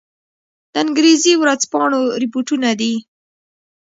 د انګرېزي ورځپاڼو رپوټونه دي.